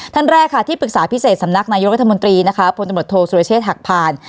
ท่านแรกค่ะที่ปรึกษาพิเศษสำนักนายกรัฐมนตรีนะคะพลตำรวจโทษสุรเชษฐหักผ่าน